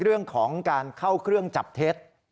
เรื่องของการเข้าเครื่องจับเท็จ